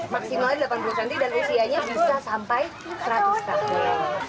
maksimalnya delapan puluh cm dan usianya bisa sampai seratus tahun